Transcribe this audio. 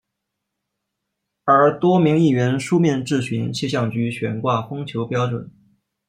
而多名议员书面质询气象局悬挂风球标准。